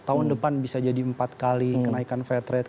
tahun depan bisa jadi empat kali kenaikan fed rate